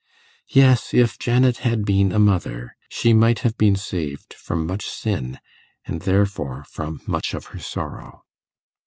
Yes! if Janet had been a mother, she might have been saved from much sin, and therefore from much of her sorrow.